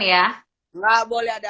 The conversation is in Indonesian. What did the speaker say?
ya gak boleh ada